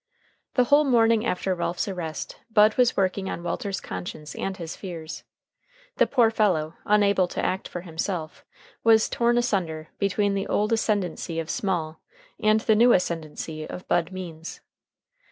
The whole morning after Ralph's arrest Bud was working on Walter's conscience and his fears. The poor fellow, unable to act for himself, was torn asunder between the old ascendency of Small and the new ascendency of Bud Means.